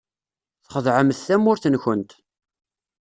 Txedɛemt tamurt-nkent.